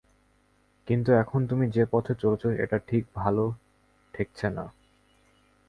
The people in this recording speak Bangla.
কিন্তু এখন তুমি যে পথে চলেছ এটা ঠিক ভালো ঠেকছে না।